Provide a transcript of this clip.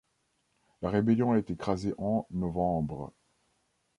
La rébellion est écrasée en novembre.